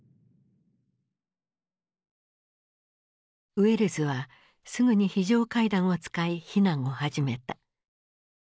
ウェルズはすぐに非常階段を使い避難を始めた。